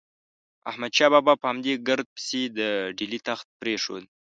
احمد شاه بابا په همدې ګرد پسې د ډیلي تخت پرېښود.